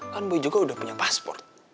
kan bu juga udah punya pasport